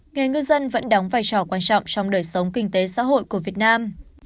nghề ngư dân vẫn đóng vai trò quan trọng trong đời sống kinh tế xã hội của việt nam